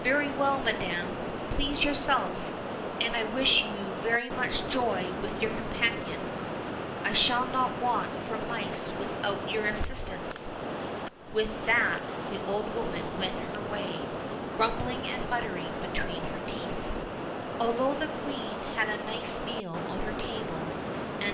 Very well, madam, please yourself, and I wish you much joy with your companion; I shall not want for mice without your assistance." With that the old woman went her way, grumbling and muttering between her teeth. Although the queen had a nice meal on her table, anc.